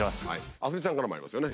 明日海さんからもありますよね。